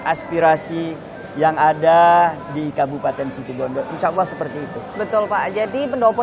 inspirasi yang ada di kabupaten situ bondo insyaallah seperti itu betul pak jadi pendopo